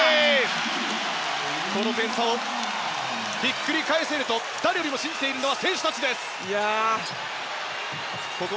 この点差をひっくり返せると誰よりも信じているのは選手たちです。